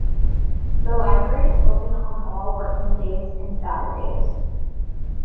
The library is open on all working days and Saturdays.